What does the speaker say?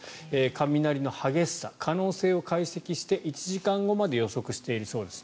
雷の激しさや可能性を解析して１時間後まで予測しているそうです。